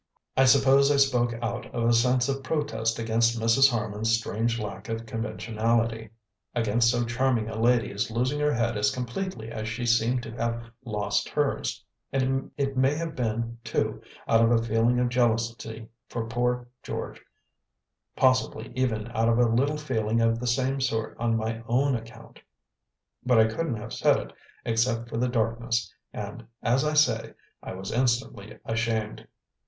I suppose I spoke out of a sense of protest against Mrs. Harman's strange lack of conventionality, against so charming a lady's losing her head as completely as she seemed to have lost hers, and it may have been, too, out of a feeling of jealousy for poor George possibly even out of a little feeling of the same sort on my own account. But I couldn't have said it except for the darkness, and, as I say, I was instantly ashamed.